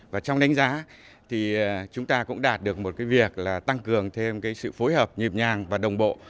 và trong đánh giá thì chúng ta cũng đạt được một cái việc là tăng cường thêm cái sự phối hợp nhịp nhàng và đồng bộ